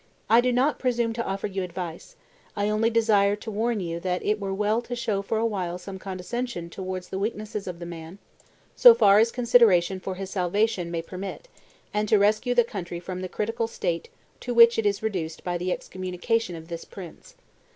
"I do not presume to offer you advice; I only desire to warn you that it were well to show for a while some condescension towards the weaknesses of the man, so far as consideration for his salvation may permit, and to rescue the country from the critical state to which it is reduced by the excommunication of this prince."